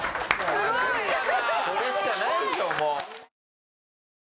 これしかないでしょもう。